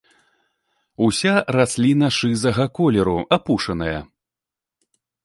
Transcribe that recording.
Уся расліна шызага колеру, апушаная.